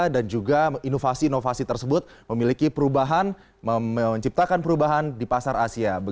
dan juga inovasi inovasi tersebut memiliki perubahan menciptakan perubahan di pasar asia